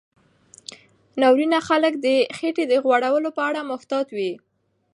ناروینه خلک د خېټې د غوړو په اړه محتاط وي.